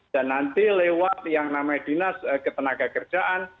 dan nanti lewat yang namanya dinas ketenagakerjaan